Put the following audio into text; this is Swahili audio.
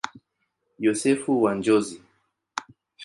Yosefu wa Njozi.